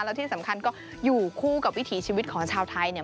แล้วที่สำคัญก็อยู่คู่กับวิถีชีวิตของชาวไทยเนี่ย